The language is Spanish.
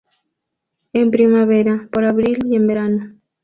En primavera, por abril y en verano.